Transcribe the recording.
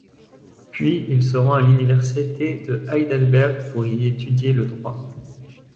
Puis, il se rend à l'université de Heidelberg pour y étudier le droit.